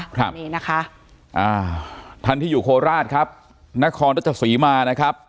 ครับนี่นะคะอ่าท่านที่อยู่โคราชครับนครรัชศรีมานะครับ